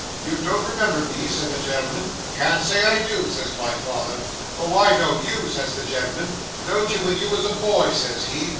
"You don't remember me?" said the gen'l'm'n. "Can't say I do," says my father. "Oh, I know you," says the gen'l'm'n: "know'd you when you was a boy," says he.